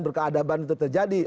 berkeadaban itu terjadi